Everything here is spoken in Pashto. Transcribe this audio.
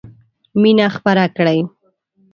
مينه خپره کړئ.